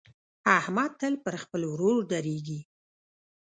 احمد تل پر خپل ورور درېږي.